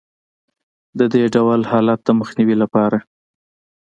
د دې ډول حالت د مخنیوي لپاره